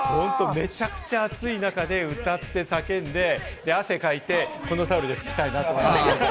めちゃくちゃ暑い中で歌って、叫んで、汗かいて、このタオルで拭きたいなと思います。